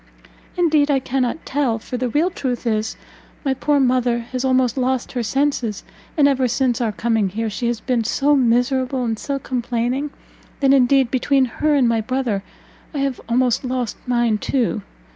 "Indeed I cannot tell; for the real truth is, my poor mother has almost lost her senses; and ever since our coming here, she has been so miserable and so complaining, that indeed, between her and my brother, I have almost lost mine too!